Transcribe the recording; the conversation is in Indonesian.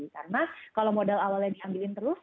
karena kalau modal awalnya diambilin terus